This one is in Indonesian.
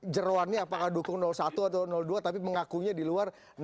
jeruannya apakah dukung satu atau dua tapi mengakunya di luar